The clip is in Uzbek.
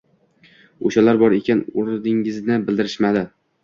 O‘shalar bor ekan, o‘rningizni bildirishmadi.